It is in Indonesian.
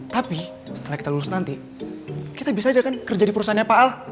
tapi setelah kita lulus nanti kita bisa aja kan kerja di perusahaannya pak al